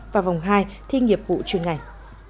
và vòng hai thi nghiệp vụ truyền ngành